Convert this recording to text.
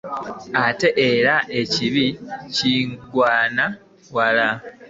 Ate era ekibi kigwana wala .